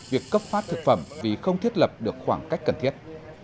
việc cấp phát thực phẩm vì không thiết lập được khoảng cách cần thiết